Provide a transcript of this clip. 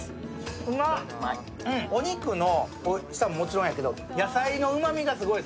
うまっ、お肉のうまみももちろんやけど、野菜のうまみがする。